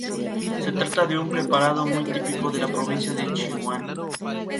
Se trata de un preparado muy típico de la provincia de Sichuan.